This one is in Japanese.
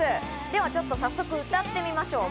では、ちょっと早速、歌ってみましょう。